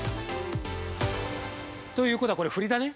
◆ということは、これ、振りだね。